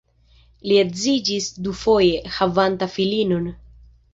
Li edziĝis dufoje, havanta filinon.